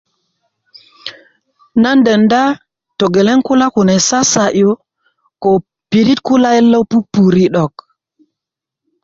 nan denda togeleŋ kula kune sasa'yu ko pirit kulyet lo pupuri' 'dok